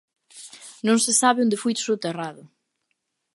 Non se sabe onde foi soterrado.